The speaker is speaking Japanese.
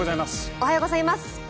おはようございます。